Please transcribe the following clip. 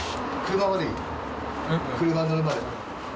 車に乗るまで。